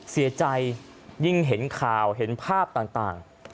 เสียใจยิ่งเห็นข่าวเห็นภาพต่าง